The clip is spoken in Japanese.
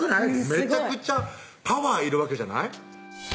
めちゃくちゃパワーいるわけじゃない？